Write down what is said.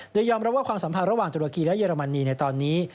โดยยอมรับว่าความสัมพันธ์ระหว่างตุรกีและเรมนีในตอนนี้